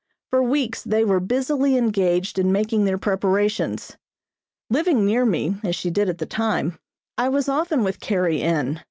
For weeks they were busily engaged in making their preparations. Living near me, as she did at the time, I was often with Carrie N.